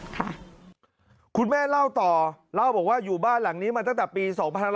คุณแม่เล่าต่อเล่าบอกว่าอยู่บ้านหลังนี้มาตั้งแต่ปี๒๕๕๙